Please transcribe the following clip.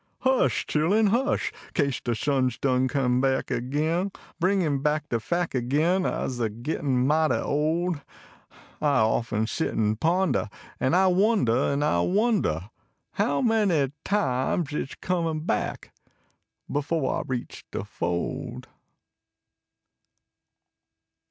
Hush ! chilluu, hush ! Kase de sun s done come back agin, 1 riugin back de fac agin Fse gittin mightv old I often sit and pondah. An I wondah, an I \vondah. How many times it s comiu back Helb I reach de fold.